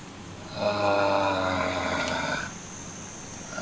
あ。